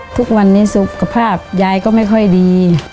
ทุกวันนี้สุขภาพยายก็ไม่ค่อยดี